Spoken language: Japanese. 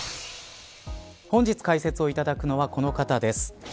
本日、解説を頂くのはこの方です。